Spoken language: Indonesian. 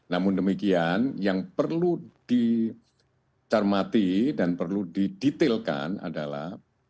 namun demikian yang perlu dicermati dan perlu didetailkan adalah